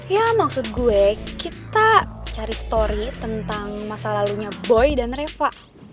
ya maksud gue kita cari story tentang masa lalunya boy dan reva